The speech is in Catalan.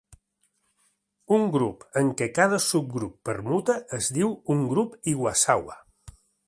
Un grup en què cada subgrup permuta es diu un grup Iwasawa.